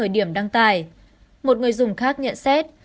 điểm đăng tài một người dùng khác nhận xét